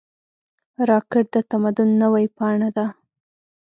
راکټ د تمدن نوې پاڼه ده